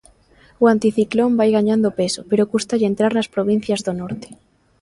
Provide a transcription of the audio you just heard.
O anticiclón vai gañando peso, pero custalle entrar nas provincias do norte.